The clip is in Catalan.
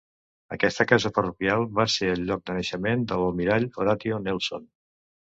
Aquest casa parroquial va ser el lloc de naixement de l'almirall Horatio Nelson.